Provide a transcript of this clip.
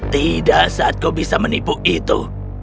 tidak saat kau bisa menipu itu